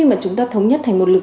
mà chúng ta thống nhất thành một lực